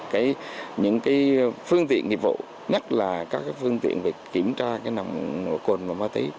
cái phương tiện nghiệp vụ nhất là các cái phương tiện việc kiểm tra cái nằm cồn và má tí